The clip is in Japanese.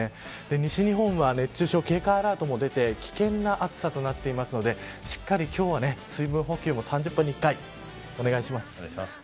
西日本は熱中症警戒アラートも出て危険な暑さとなっているのでしっかり、今日は水分補給も３０分に１回お願いします。